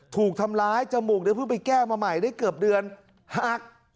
ถูกทำร้ายจมูกเนี่ยเพิ่งไปแก้มาใหม่ได้เกือบเดือนหัก